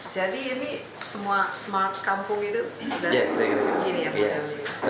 jadi ini semua smart kampung itu sudah begini ya pak camat